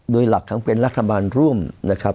โดยหลักทั้งเป็นรัฐบาลร่วมนะครับ